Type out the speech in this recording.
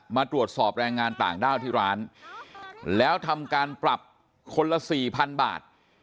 มาตรวจสอบแรงงานต่างด้าวที่ร้านแล้วทำการปรับคนละสี่พันบาท